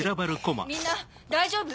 みんな大丈夫？